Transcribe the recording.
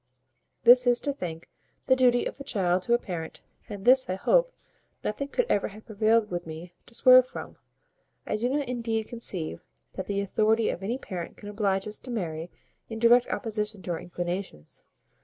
This is, I think, the duty of a child to a parent; and this, I hope, nothing could ever have prevailed with me to swerve from. I do not indeed conceive that the authority of any parent can oblige us to marry in direct opposition to our inclinations.